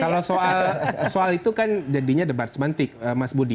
kalau soal itu kan jadinya debat semantik mas budi